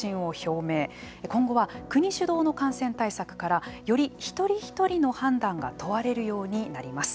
今後は、国主導の感染対策からより一人一人の判断が問われるようになります。